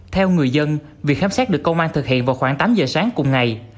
theo người dân việc khám xét được công an thực hiện vào khoảng tám giờ sáng cùng ngày